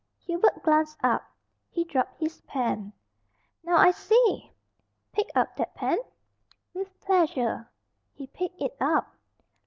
'" Hubert glanced up. He dropped his pen. "Now I see!" "Pick up that pen." "With pleasure." He picked it up.